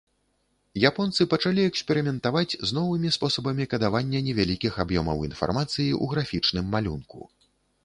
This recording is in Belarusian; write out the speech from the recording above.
Японцы пачалі эксперыментаваць з новымі спосабамі кадавання невялікіх аб'ёмаў інфармацыі ў графічным малюнку.